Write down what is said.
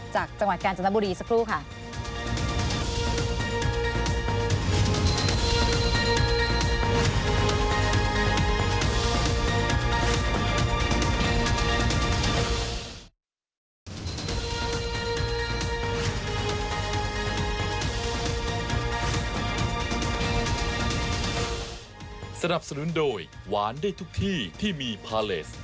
จังหวัดกาญจนบุรีสักครู่ค่ะ